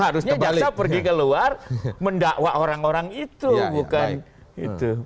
harusnya jaksa pergi keluar mendakwa orang orang itu bukan itu